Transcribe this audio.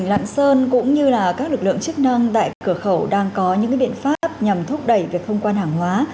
lạng sơn cũng như các lực lượng chức năng tại cửa khẩu đang có những biện pháp nhằm thúc đẩy việc thông quan hàng hóa